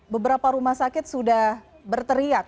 beberapa rumah sakit sudah berteriak